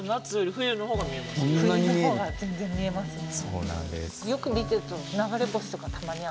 冬の方が全然見えますね。